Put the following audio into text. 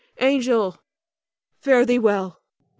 Angel, fare thee well!